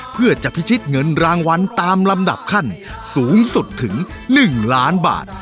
เพื่อจะพิชิตเงินรางวัลตามลำดับขั้นสูงสุดถึง๑ล้านบาท